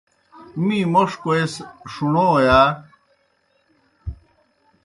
می موْݜ کوئے سہ ݜُݨو یا؟